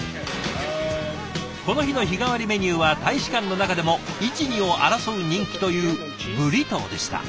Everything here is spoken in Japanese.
この日の日替わりメニューは大使館の中でも一二を争う人気というブリトーでした。